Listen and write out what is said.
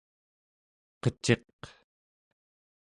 qeciq